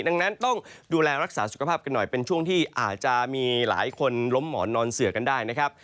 ดังนั้นต้องดูแลรักษาสุขภาพกันหน่อยเป็นช่วงที่อาจจะมีหลายคนล้มหมอนนอนเสือกันได้นะครับ